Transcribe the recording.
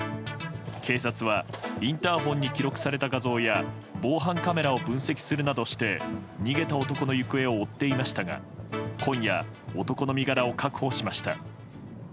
警察はインターホンに記録された画像や防犯カメラを分析するなどして逃げた男の行方を追っていましたが今夜、男の身柄を確保しました。